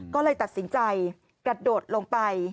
ก็เลยตัดสินใจกระโดดลงไป